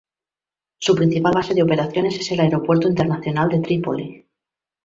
Su principal base de operaciones es el Aeropuerto Internacional de Trípoli.